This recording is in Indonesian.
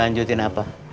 tamat dan bicara